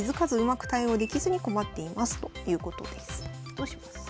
どうしますか？